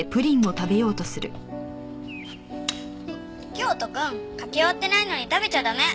清人くん書き終わってないのに食べちゃ駄目。